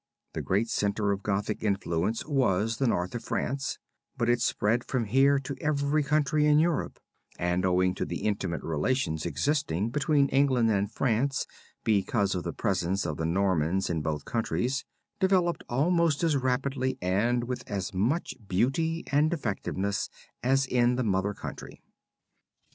The great center of Gothic influence was the North of France, but it spread from here to every country in Europe, and owing to the intimate relations existing between England and France because of the presence of the Normans in both countries, developed almost as rapidly and with as much beauty, and effectiveness as in the mother country.